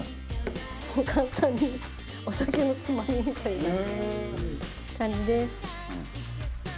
簡単にお酒のつまみみたいな感じです。